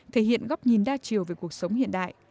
thể hiện góc nhìn đa chiều về cuộc sống hiện đại